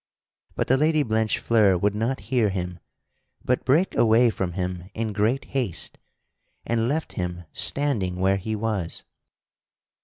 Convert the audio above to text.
But the Lady Blanchefleur would not hear him, but brake away from him in great haste, and left him standing where he was.